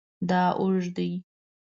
دا اوږد دی